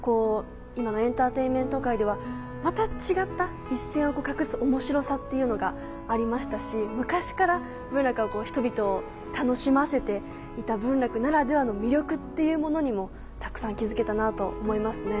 今のエンターテインメント界ではまた違った一線を画す面白さっていうのがありましたし昔から文楽は人々を楽しませていた文楽ならではの魅力っていうものにもたくさん気付けたなと思いますね。